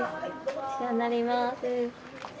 お世話になります。